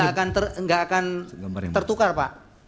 itu gak akan tertukar pak